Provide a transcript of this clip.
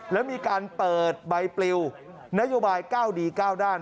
และมีการเปิดใบปลิวนโยบายก้าวดีก้าวด้าน